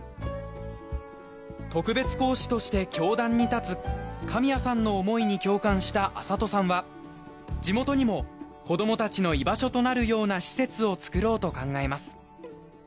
特別講師として教壇に立つ神谷さんの思いに共感した安里さんは地元にも子供たちの居場所となるような施設を作ろうと考えます。